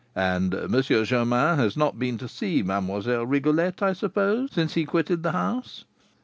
"And M. Germain has not been to see Mlle. Rigolette, I suppose, since he quitted the house?"